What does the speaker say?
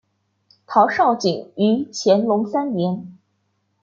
陶绍景于乾隆三年。